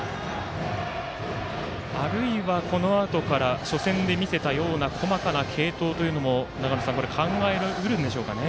あるいは、このあとから初戦で見せたような細かな継投というのも考えられるんでしょうかね。